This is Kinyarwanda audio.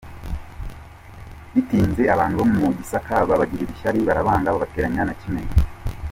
Bitinze abantu bo mu Gisaka babagirira ishyari barabanga; babateranya na Kimenyi.